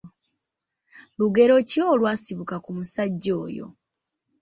Lugero ki olwasibuka ku musajja oyo?